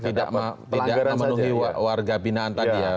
tidak memenuhi warga binaan tadi ya